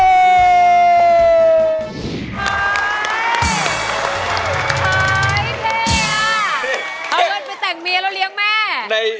หาเงินไปแต่งเมียแล้วเลี้ยงแม่